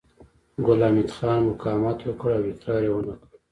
ګل حمید خان مقاومت وکړ او اقرار يې ونه کړ